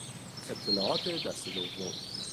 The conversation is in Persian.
اطلاعات دست دوم